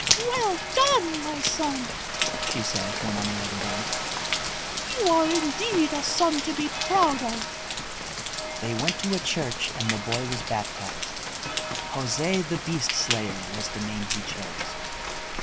"Well done, my son!" she said when on the other bank. "You are indeed a son to be proud of!" They went to a church and the boy was baptized. José the Beast Slayer was the name he chose.